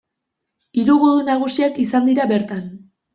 Hiru gudu nagusiak izan dira bertan.